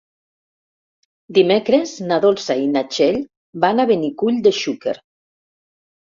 Dimecres na Dolça i na Txell van a Benicull de Xúquer.